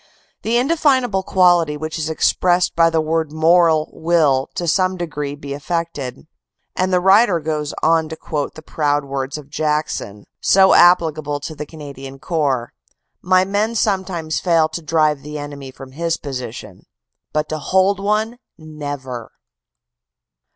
The indefinable quality which is expressed by the word moral will to some degree be affected. " And the writer goes on to quote the proud words of Jackson, so applicable to the Cana dian Corps: "My men sometimes fail to drive the enemy from his position, but to hold one, never!"